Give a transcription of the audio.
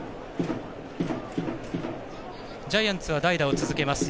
ジャイアンツは代打を続けます。